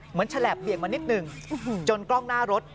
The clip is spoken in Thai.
เหมือนฉลาบเบียงมานิดหนึ่งจนกล้องหน้ารถ